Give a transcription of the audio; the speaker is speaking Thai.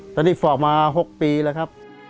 ตอนนี้ฟอกมา๖ปีเลยค่ะ